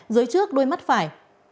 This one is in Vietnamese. dưới trước đôi mắt phải